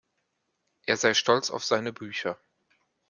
Er sei stolz auf seine Bücher.